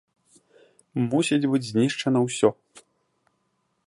Мусіць быць знішчана ўсё!